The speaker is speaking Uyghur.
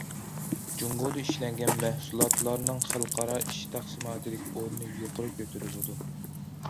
جۇڭگودا ئىشلەنگەن مەھسۇلاتلارنىڭ خەلقئارا ئىش تەقسىماتىدىكى ئورنى يۇقىرى كۆتۈرۈلىدۇ.